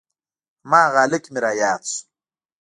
هماغه هلک مې راياد سو.